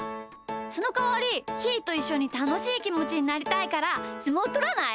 そのかわりひーといっしょにたのしいきもちになりたいからすもうとらない？